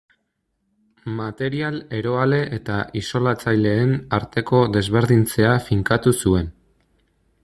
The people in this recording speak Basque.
Material eroale eta isolatzaileen arteko desberdintzea finkatu zuen.